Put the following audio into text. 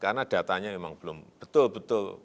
karena datanya memang belum betul betul